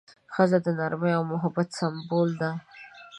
ښځه د نرمۍ او محبت سمبول ده.